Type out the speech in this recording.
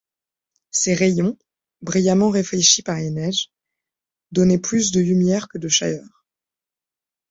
Ses rayons, brillamment réfléchis par les neiges, donnaient plus de lumière que de chaleur.